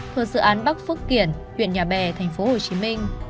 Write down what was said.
thuộc dự án bắc phước kiển huyện nhà bè tp hcm